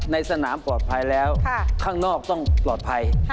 ในสนามปลอดภัยแล้วข้างนอกต้องปลอดภัย